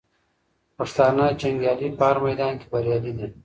پښتانه جنګیالي په هر میدان کې بریالي دي.